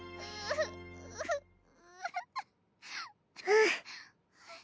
うん。